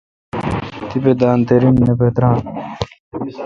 تیپہ دان تے رن نہ پتران۔